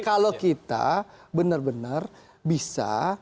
kalau kita benar benar bisa